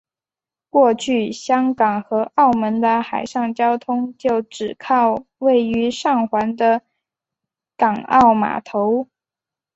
过去香港和澳门的海上交通就只靠位于上环的港澳码头。